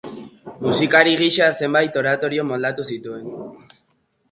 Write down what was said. Musikari gisa zenbait oratorio moldatu zituen.